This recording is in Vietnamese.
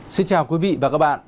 xin chào quý vị và các bạn